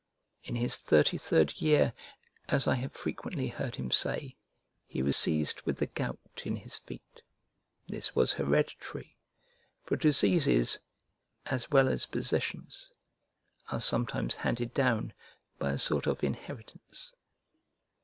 In his thirty third year (as I have frequently heard him say) he was seized with the gout in his feet. This was hereditary; for diseases, as well as possessions, are sometimes handed down by a sort of inheritance.